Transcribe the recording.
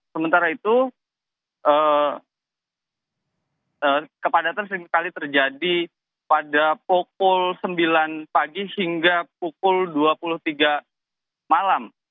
sementara itu kepadatan seringkali terjadi pada pukul sembilan pagi hingga pukul dua puluh tiga malam